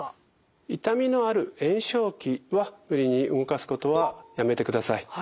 痛みのある炎症期は無理に動かすことはやめてください。